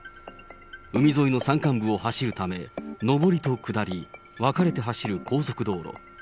海沿いの山間部を走るため、上りと下り、分かれて走る高速道路。